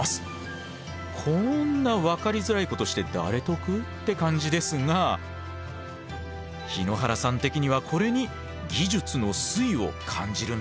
こんな分かりづらいことして誰得？って感じですが日野原さん的にはこれに技術の粋を感じるんだとか。